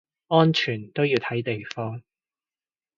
安全都要睇地方